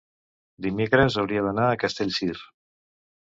dimecres hauria d'anar a Castellcir.